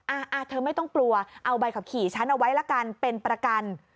อ่าเธอไม่ต้องกลัวเอาใบขับขี่ฉันเอาไว้ละกันเป็นประกัน